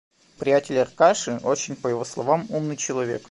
Приятель Аркаши, очень, по его словам, умный человек.